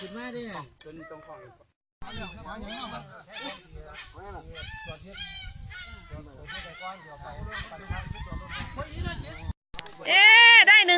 สวัสดีครับ